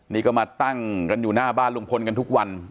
นี่ก็มาตั้งกันอยู่หน้าบ้านลุงพลกันทุกวัน